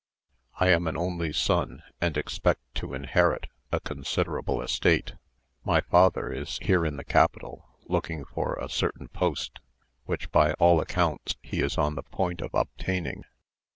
I am an only son, and expect to inherit a considerable estate. My father is here in the capital, looking for a certain post which by all accounts he is on the point of obtaining.